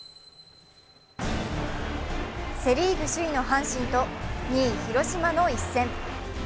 セ・リーグ首位の阪神と２位・広島の一戦。